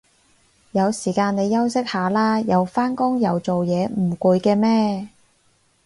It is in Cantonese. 有時間你休息下啦，又返工又做嘢唔攰嘅咩